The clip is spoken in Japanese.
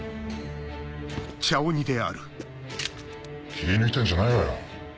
気ぃ抜いてんじゃないわよ。